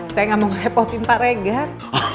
saya gak mau ngerepotin pak regar